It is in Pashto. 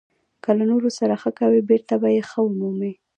• که له نورو سره ښه کوې، بېرته به یې ښه ومومې.